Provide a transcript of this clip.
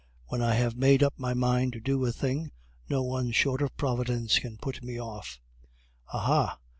When I have made up my mind to do a thing, no one short of Providence can put me off. Aha!